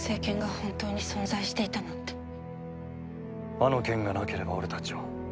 あの剣がなければ俺たちは。